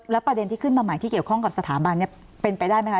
ประเด็นที่ขึ้นมาใหม่ที่เกี่ยวข้องกับสถาบันเป็นไปได้ไหมคะ